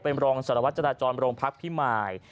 ไปมรองสระวัชจะราจรโรงพรรคผีมาย